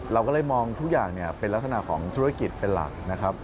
เราก็เลยมองทุกอย่างเป็นลักษณะของธุรกิจเป็นหลักนะครับ